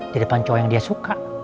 di depan cowok yang dia suka